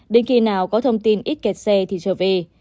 đến khi nào có thông tin ít kẹt xe thì trở về